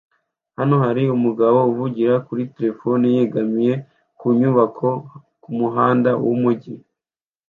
Hano hari umugabo uvugana kuri terefone yegamiye inyubako kumuhanda wumujyi